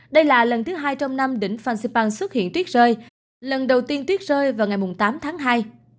đây là lần thứ hai trong năm đỉnh phan xipang xuất hiện tuyết rơi lần đầu tiên tuyết rơi vào ngày tám tháng hai